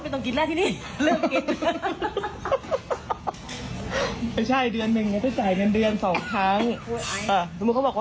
ถามประชาชนคนทำงานเนอะ